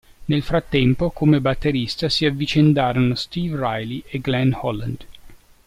Nel frattempo, come batterista si avvicendarono Steve Riley e Glenn Holland.